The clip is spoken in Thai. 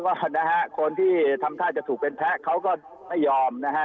ก็คือคนที่ธรรมทราบที่จะถูกเป็นแพ้เขาก็ไม่ยอมนะฮะ